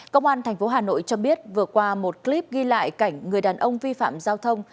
công an tp hà nội cho biết vừa qua một clip ghi lại cảnh người đàn ông vi phạm giao thông